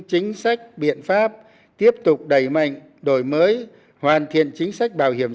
chính sách biện pháp tiếp tục đẩy mạnh đổi mới hoàn thiện chính sách bảo hiểm